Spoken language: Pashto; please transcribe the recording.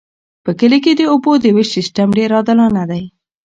په کلي کې د اوبو د ویش سیستم ډیر عادلانه دی.